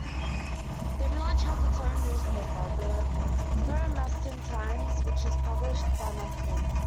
The village has its own newspaper, The Thurmaston Times which is published bi-monthly.